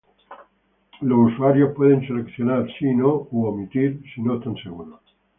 Los usuarios pueden seleccionar "Sí", "No" u "Omitir" si no están seguros.